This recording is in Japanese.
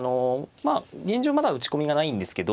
まだ打ち込みがないんですけど